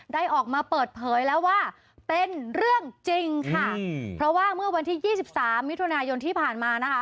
ได้ออกมาเปิดเผยแล้วว่าเป็นเรื่องจริงค่ะเพราะว่าเมื่อวันที่ยี่สิบสามมิถุนายนที่ผ่านมานะคะ